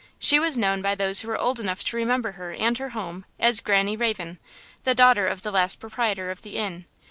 She was known by those who were old enough to remember her and her home, as Granny Raven, the daughter of the last proprietor of the inn.